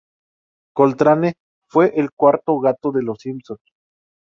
Coltrane fue el cuarto gato de los Simpson.